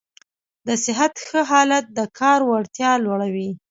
د صحت ښه حالت د کار وړتیا لوړوي.